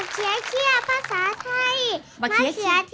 จ้ามีสัตว์อะไรบ้างคะ